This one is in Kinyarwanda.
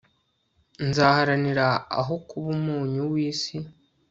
nzaharanira aho kuba umunyu w'isi